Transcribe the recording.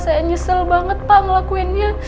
saya nyesel banget pak ngelakuinnya